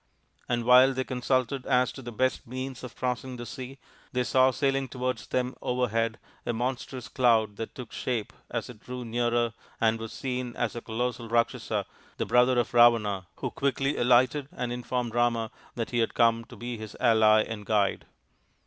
And while they consulted as to the best means of crossing the sea, they saw sailing towards them overhead a mon strous cloud that took shape as it drew nearer and was seen to be a colossal Rakshasa, the brother of Ravana, who quickly alighted and informed Rama that he had come to be his ally and guide.